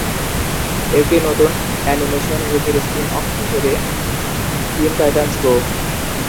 একটি নতুন অ্যানিমেশন রীতির স্পিন-অফ হিসেবে "টিন টাইটান্স গো!"